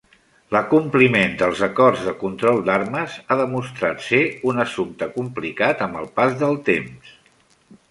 L'acompliment dels acords de control d'armes ha demostrat ser un assumpte complicat amb el pas del temps.